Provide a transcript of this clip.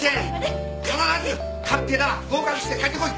必ず勝ってな合格して帰ってこい！